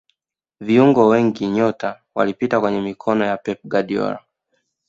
viungo wengi nyota walipita kwenye mikono ya pep guardiola